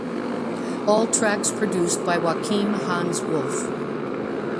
All tracks produced by Joachim Hans Wolf.